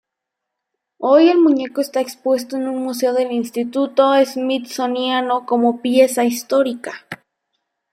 Hoy el muñeco está expuesto en un museo del Instituto Smithsoniano como pieza histórica.